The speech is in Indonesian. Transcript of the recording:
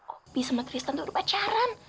opi sama tristan tuh udah pacaran